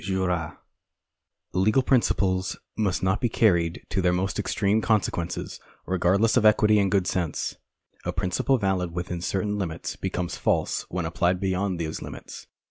474 APPENDIX III 475 Legal principles must not be carried to their most extreme consequences, regardless of equity and good sense. A principle valid within certain limits becomes false when applied beyond these limits.